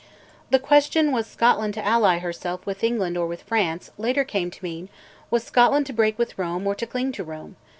The question, Was Scotland to ally herself with England or with France? later came to mean, Was Scotland to break with Rome or to cling to Rome?